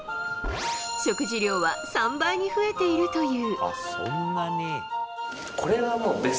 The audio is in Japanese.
食事量は３倍に増えているという。